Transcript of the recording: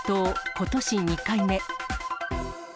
ことし２回目。